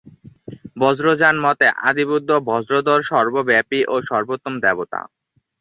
বজ্রযানমতে আদিবুদ্ধ বজ্রধর সর্বব্যাপী ও সর্বোত্তম দেবতা।